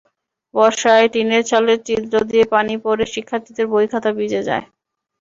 বর্ষায় টিনের চালের ছিদ্র দিয়ে পানি পড়ে শিক্ষার্থীদের বই-খাতা ভিজে যায়।